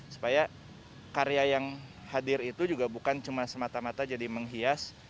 supaya karya yang hadir itu juga bukan cuma semata mata jadi menghias